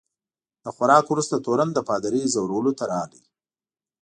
له خوراک وروسته تورن د پادري ځورولو ته راغی.